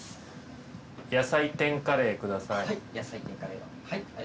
野菜天カレー下さい。